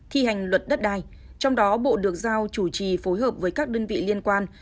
thi hành luật đất đai trong đó bộ được giao chủ trì phối hợp với các đơn vị liên quan